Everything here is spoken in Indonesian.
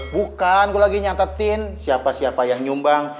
bukan gue lagi nyatetin siapa siapa yang nyumbang